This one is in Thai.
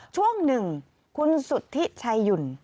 ช่วงหนึ่งคุณสุธิชัยหยุ่น